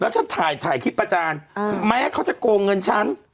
ฉันถ่ายถ่ายคลิปประจานแม้เขาจะโกงเงินฉัน